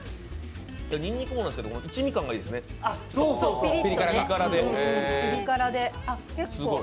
にんにくもですけど、一味感がいいですね、ピリ辛で。